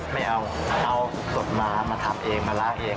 ไม่เอาเอาสดมามาทำเองมาล้างเอง